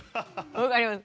分かります。